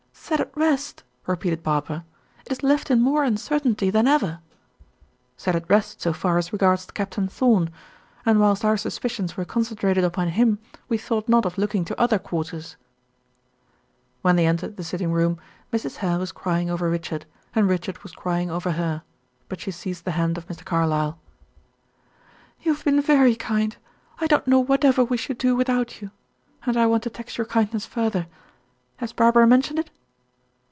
"Set at rest!" repeated Barbara. "It is left in more uncertainty than ever." "Set at rest so far as regards Captain Thorn. And whilst our suspicions were concentrated upon him, we thought not of looking to other quarters." When they entered the sitting room Mrs. Hare was crying over Richard, and Richard was crying over her; but she seized the hand of Mr. Carlyle. "You have been very kind; I don't know whatever we should do without you. And I want to tax your kindness further. Has Barbara mentioned it?"